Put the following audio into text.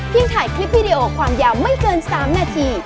ถ่ายคลิปวิดีโอความยาวไม่เกิน๓นาที